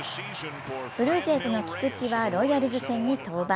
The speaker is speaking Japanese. ブルージェイズの菊池はロイヤルズ戦に登板。